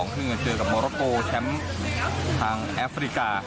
คือเจอกับโมโรโกแชมป์ทางแอฟริกา